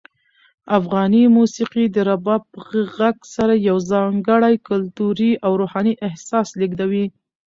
افغاني موسیقي د رباب په غږ سره یو ځانګړی کلتوري او روحاني احساس لېږدوي.